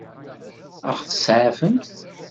Ad ɣ-tseɛfemt?